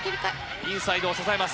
インサイドを支えます。